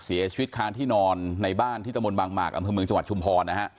เสียชีวิตคาที่นอนในบ้านที่ตะมนตบางหมากอำเภอเมืองจังหวัดชุมพรนะฮะ